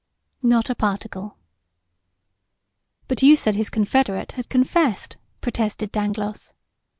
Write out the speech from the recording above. "Not a particle." "But you said his confederate had confessed," protested Dangloss.